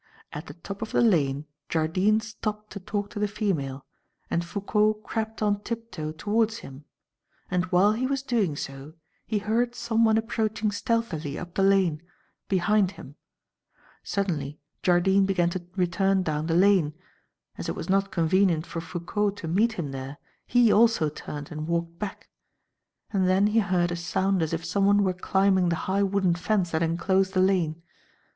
At the top of the lane, Jardine stopped to talk to the female, and Foucault crept on tiptoe towards him; and while he was doing so, he heard someone approaching stealthily up the lane, behind him. Suddenly, Jardine began to return down the lane. As it was not convenient for Foucault to meet him there, he also turned and walked back; and then he heard a sound as if someone were climbing the high wooden fence that enclosed the lane.